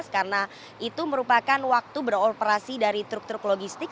karena itu merupakan waktu beroperasi dari truk truk logistik